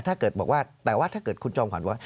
แต่ว่าถ้าเกิดคุณจอมขวัญว่า